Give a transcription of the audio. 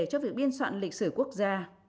cho việc biên soạn lịch sử quốc gia